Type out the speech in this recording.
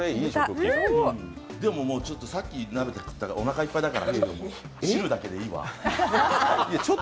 さっき鍋食ったからおなかいっぱいだから汁だけでいいわ。